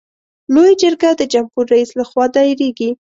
لویه جرګه د جمهور رئیس له خوا دایریږي.